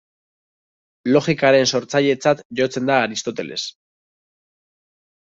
Logikaren sortzailetzat jotzen da Aristoteles.